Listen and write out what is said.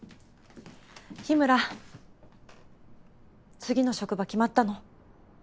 次の職場決まったの？